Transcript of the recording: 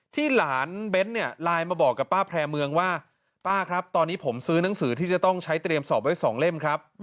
หลานเบ้นเนี่ยไลน์มาบอกกับป้าแพร่เมืองว่าป้าครับตอนนี้ผมซื้อหนังสือที่จะต้องใช้เตรียมสอบไว้๒เล่มครับ